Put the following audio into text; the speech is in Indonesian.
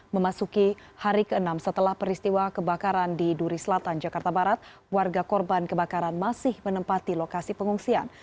memasuki hari ke enam setelah peristiwa kebakaran di duri selatan jakarta barat warga korban kebakaran masih menempati lokasi pengungsian